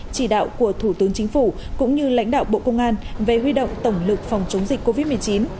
chỉ đạo của thủ tướng chính phủ cũng như lãnh đạo bộ công an về huy động tổng lực phòng chống dịch covid một mươi chín